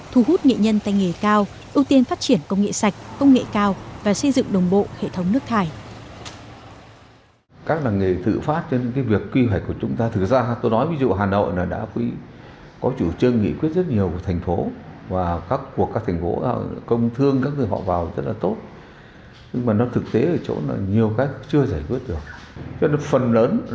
thu hút nghệ nhân tài nghề cao ưu tiên phát triển công nghệ sạch công nghệ cao và xây dựng đồng bộ hệ thống nước thải